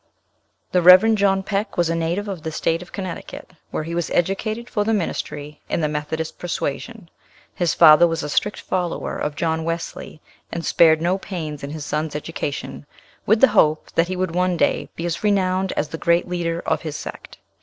THE Rev. John Peck was a native of the state of Connecticut, where he was educated for the ministry, in the Methodist persuasion. His father was a strict follower of John Wesley, and spared no pains in his son's education, with the hope that he would one day be as renowned as the great leader of his sect.